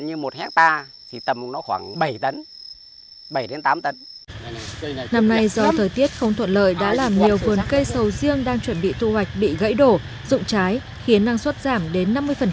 năm nay do thời tiết không thuận lời đã làm nhiều vườn cây sầu riêng đang chuẩn bị thu hoạch bị gãy đổ dụng trái khiến năng suất giảm đến năm mươi